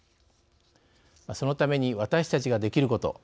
そのために私たちができること。